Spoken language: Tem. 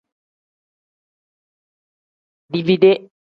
Dibide.